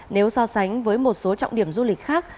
nếu so sánh với một số trọng điểm du lịch khác